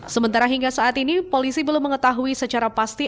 sementara hingga saat ini polisi belum mengetahui secara pasti